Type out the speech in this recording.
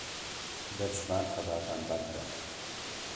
Dev ji van xebatan berde.